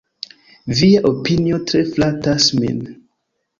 Via opinio tre flatas min.